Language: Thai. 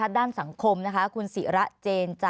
อันดับสุดท้ายแก่มือ